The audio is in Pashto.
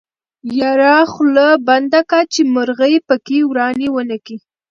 يره خوله بنده که چې مرغۍ پکې ورانی ونکي.